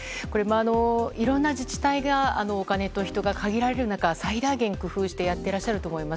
いろんな自治体がお金と人が限られる中最大限工夫してやっていらっしゃると思います。